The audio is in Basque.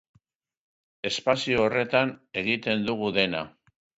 Espazio horretan egiten dugu dena.